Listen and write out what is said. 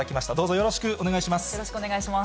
よろしくお願いします。